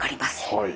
はい。